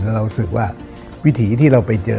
เรารู้สึกว่าวิถีที่เราไปเจอ